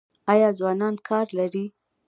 آیا ځوانان کار لري؟